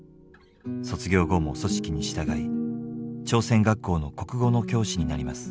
卒業後も組織に従い朝鮮学校の国語の教師になります。